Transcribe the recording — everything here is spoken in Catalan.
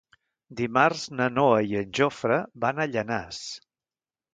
Dimarts na Noa i en Jofre van a Llanars.